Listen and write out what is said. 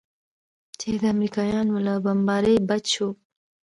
چې د امريکايانو له بمبارۍ بچ سو.